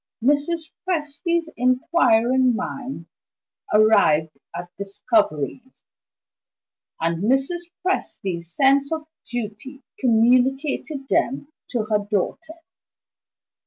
Mrs. Presty's inquiring mind arrived at discoveries; and Mrs. Presty's sense of duty communicated them to her daughter.